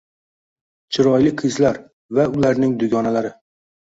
Chiroyli qizlar va ularning dugonalari...